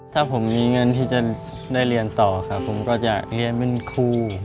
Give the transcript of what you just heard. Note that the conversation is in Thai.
ถ้าผมมีเงินที่จะได้เรียนต่อครับผมก็จะเรียนเป็นครู